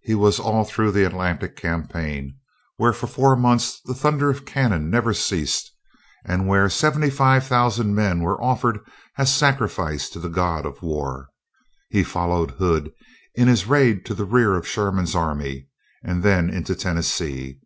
He was all through the Atlantic campaign, where for four months the thunder of cannon never ceased, and where seventy five thousand men were offered as a sacrifice to the god of war. He followed Hood in his raid to the rear of Sherman's army, and then into Tennessee.